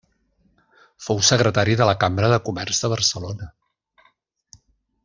Fou secretari de la Cambra de Comerç de Barcelona.